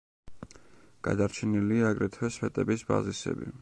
გადარჩენილია აგრეთვე სვეტების ბაზისები.